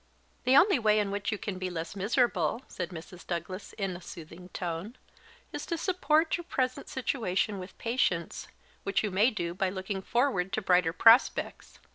"The only way in which you can be less miserable," said Mrs. Douglas in a soothing tone, "is to support your present situation with patience, which you may do by looking forward to brighter prospects.